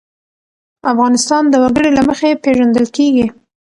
افغانستان د وګړي له مخې پېژندل کېږي.